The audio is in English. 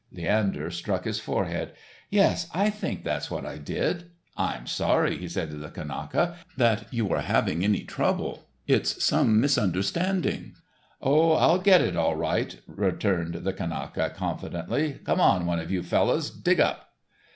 Leander struck his forehead. "Yes, I think that's what I did. I'm sorry," he said to the Kanaka, "that you are having any trouble, it's some misunderstanding." "Oh, I'll get it all right," returned the Kanaka, confidently. "Come on, one of you fellows dig up."